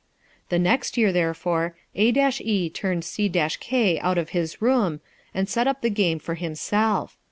The next year, therefore, A e turned C k out of his room, and set up the game for himself.